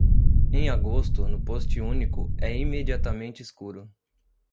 Em agosto, no post único, é imediatamente escuro.